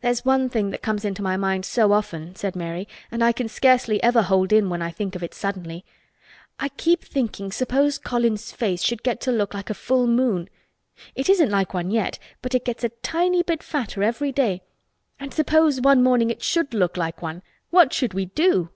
"There's one thing that comes into my mind so often," said Mary, "and I can scarcely ever hold in when I think of it suddenly. I keep thinking suppose Colin's face should get to look like a full moon. It isn't like one yet but he gets a tiny bit fatter every day—and suppose some morning it should look like one—what should we do!"